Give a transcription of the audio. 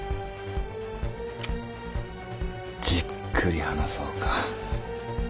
じっくり話そうか。